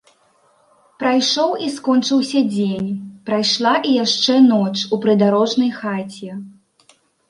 Прайшоў і скончыўся дзень, прайшла і яшчэ ноч у прыдарожнай хаце.